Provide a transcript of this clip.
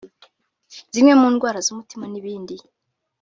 zimwe mu ndwara z’umutima n’ibindi